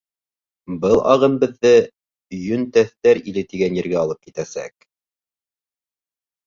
Был ағым беҙҙе «Йөнтәҫтәр иле» тигән ергә алып китәсәк.